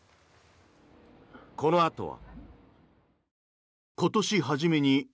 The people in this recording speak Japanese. このあとは。